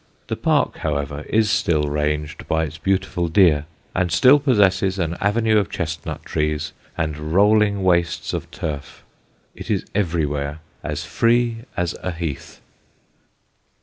The park, however, is still ranged by its beautiful deer, and still possesses an avenue of chestnut trees and rolling wastes of turf. It is everywhere as free as a heath.